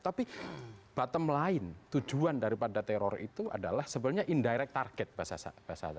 tapi bottom line tujuan daripada teror itu adalah sebenarnya indirect target